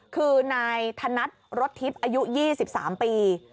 คือนายธนัดรถทิพย์อายุ๒๓ปี